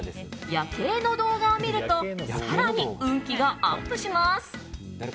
夜景の動画を見ると更に運気がアップします。